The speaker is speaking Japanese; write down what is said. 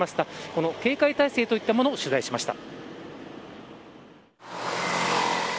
この警戒態勢といったものを取材しました。